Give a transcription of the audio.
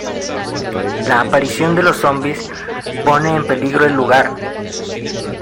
La aparición de los zombis pone en peligro el lugar.